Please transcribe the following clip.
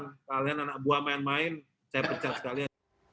kalian anak buah main main saya pecat sekalian